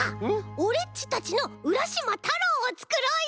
オレっちたちの「うらしまたろう」をつくろうよ！